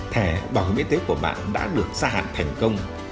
thẻ bảo hiểm y tế của bạn đã được gia hạn thành công